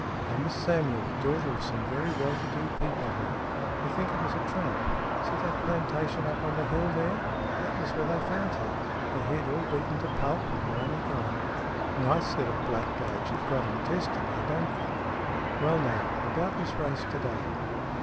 " A Miss Samuel, daughter of some very well to do people here. They think it was a tramp. See that plantation up on the hill there? That was where they found her her head all beaten to pulp and her money gone." SMEATH 7 " Nice set of blackguards you've got in Teston, I don't think. Well now, about this race to day."